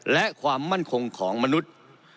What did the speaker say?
และความมั่นคงของมนุษย์